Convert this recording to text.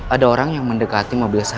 ada orang yang mendekati mobil saya